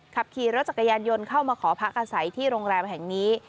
ขับขี่รถจักรยานยนต์เข้ามาขอพักอาศัยที่โรงแรมแห่งนี้